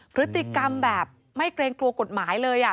พฤติกรรมแบบไม่เกรงกลัวกฎหมายเลย